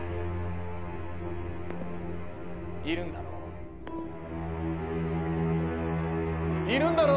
いるんだろ？いるんだろ？